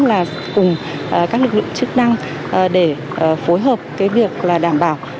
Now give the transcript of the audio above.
là cùng các lực lượng chức năng để phối hợp cái việc là đảm bảo